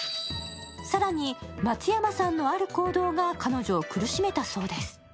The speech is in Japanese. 更に松山さんのある行動が彼女を苦しめたそうです。